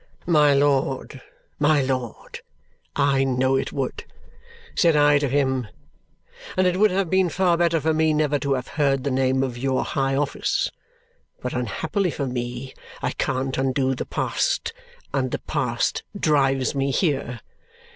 'My Lord, my Lord, I know it would,' said I to him, 'and it would have been far better for me never to have heard the name of your high office, but unhappily for me, I can't undo the past, and the past drives me here!'